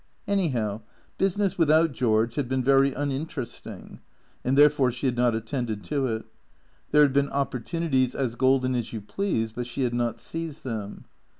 Anyhow, business without George had been very uninterest ing; and therefore she had not attended to it. There had been opportunities as golden as you please, but she had not seized them.